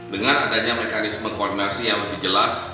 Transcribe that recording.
dengan adanya mekanisme koordinasi yang lebih jelas